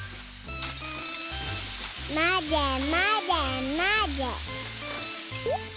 まぜまぜまぜ。